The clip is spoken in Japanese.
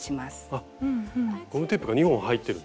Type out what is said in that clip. あっゴムテープが２本入ってるんですね